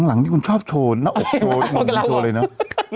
หลังนี่คุณชอบโชว์น่ะโอ๊ะโอ๊ะไม่โชว์เลยเนอะ